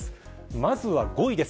まずは、５位です。